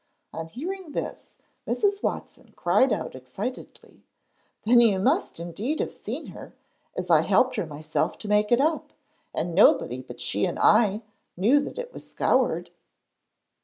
On hearing this, Mrs. Watson cried out excitedly, 'Then you must indeed have seen her, as I helped her myself to make it up, and nobody but she and I knew that it was scoured.'